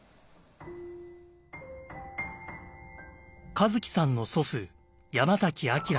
和樹さんの祖父山崎斌さん。